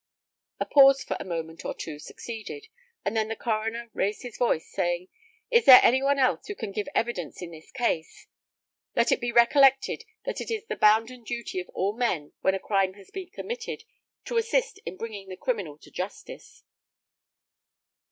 A pause for a moment or two succeeded, and then the coroner raised his voice, saying, "Is there any one else who can give evidence in this case? Let it be recollected that it is the bounden duty of all men, when a crime has been committed, to assist in bringing the criminal to justice."